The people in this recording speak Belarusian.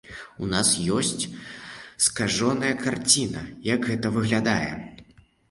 У нас ёсць скажоная карціна, як гэта выглядае.